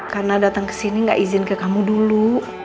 karena datang kesini gak izin ke kamu dulu